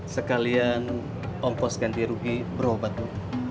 sekalian ompos ganti rugi berobat bu